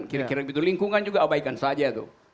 kira kira gitu lingkungan juga abaikan saja tuh